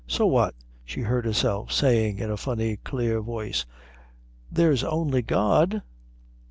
"So that," she heard herself saying in a funny clear voice, "there's only God?"